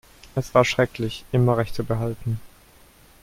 Es war schrecklich, immer Recht zu behalten.